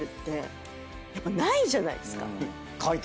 やっぱないじゃないですか。